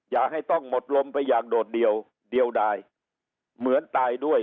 อย่าให้ต้องหมดลมไปอย่างโดดเดียวเดียวได้เหมือนตายด้วย